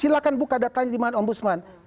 silahkan buka datanya di mana om busman